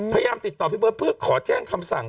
พยายามติดต่อพี่เบิร์ตเพื่อขอแจ้งคำสั่ง